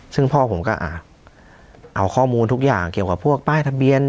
ซึ่งพ่อผมก็เอาข้อมูลทุกอย่างเกี่ยวกับพวกป้ายทะเบียน